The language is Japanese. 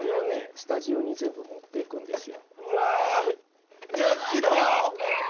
スタジオに全部持っていくんですよ。